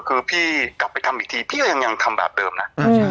คือพี่กลับไปทำอีกทีพี่ก็ยังทำแบบเดิมนะ